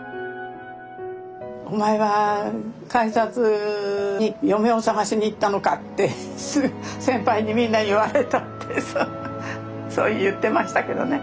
「お前は改札に嫁を探しにいったのか」って先輩にみんなに言われたってそう言ってましたけどね。